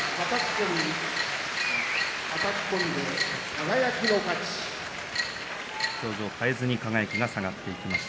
輝は表情を変えずに下がっていきました。